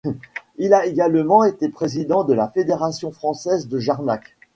Il a également été président de la fédération française de Jarnac.